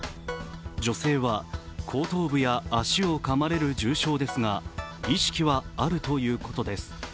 女性は後頭部や足をかまれる重傷ですが意識はあるということです。